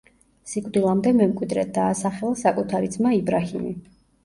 სიკვდილამდე მემკვიდრედ დაასახელა საკუთარი ძმა იბრაჰიმი.